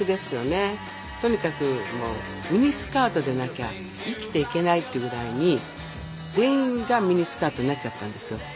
とにかくもうミニスカートじゃなきゃ生きていけないってぐらいに全員がミニスカートになっちゃったんですよ。